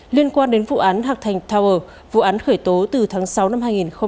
liên quan đến vụ án hạc thành tower vụ án khởi tố từ tháng sáu năm hai nghìn hai mươi